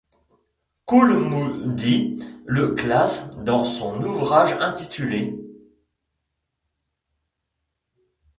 Kool Moe Dee le classe dans son ouvrage intitulé '.